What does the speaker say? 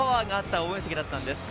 応援席だったんです。